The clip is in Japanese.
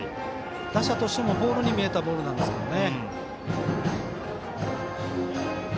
打者としてもボールに見えたボールなんですよね。